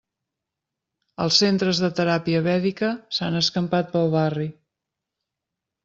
Els centres de teràpia vèdica s'han escampat pel barri.